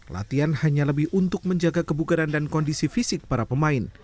latihan hanya lebih untuk menjaga kebugaran dan kondisi fisik para pemain